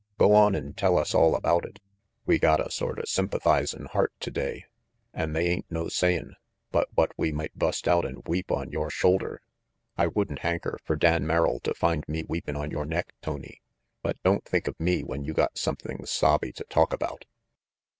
Go on and tell us all about it. We got a sorta sympathizin' heart today, an' they ain't no sayin' but what we might bust out and weep on yore shoulder. I wouldn't hanker fer Dan Merrill to find me weepin' on yore neck, Tony, but don't think of me when you got something sobby to talk about."